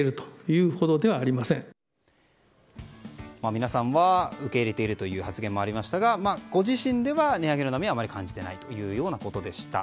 皆さんは受け入れているという発言もありましたがご自身では値上げの波はあまり感じていないということでした。